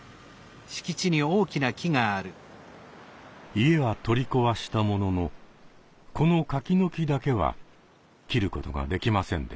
家は取り壊したもののこの柿の木だけは切ることができませんでした。